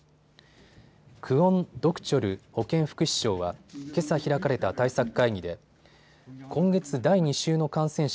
クォン・ドクチョル保健福祉相はけさ開かれた対策会議で今月第２週の感染者